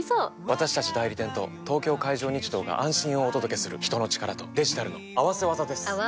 私たち代理店と東京海上日動が安心をお届けする人の力とデジタルの合わせ技です！